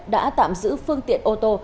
đã tạm giữ phương tiện ô tô